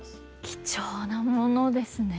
貴重なものですね。